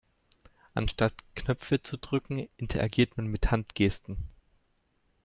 Anstatt Knöpfe zu drücken, interagiert man mit Handgesten.